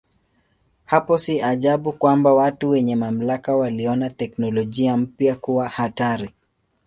Hapo si ajabu kwamba watu wenye mamlaka waliona teknolojia mpya kuwa hatari.